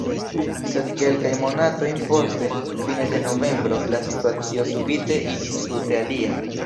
Sed kelkajn monatojn poste, fine de novembro, la situacio subite iĝis tute alia.